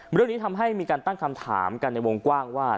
เรื่องนี้ทำให้มีการตั้งคำถามกันในวงกว้างว่า